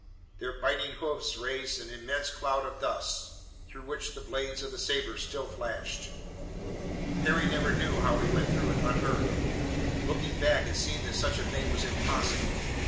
Their beating hoofs raised an immense cloud of dust, through which the blades of the sabres still flashed. Harry never knew how he went through it unhurt. Looking back, it seemed that such a thing was impossible.